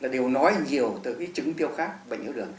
đều nói nhiều về chứng tiêu khát bệnh hiếu đường